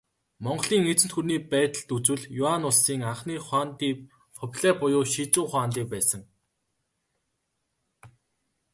Монголын эзэнт гүрний байдалд үзвэл, Юань улсын анхны хуанди Хубилай буюу Шизү хуанди байсан.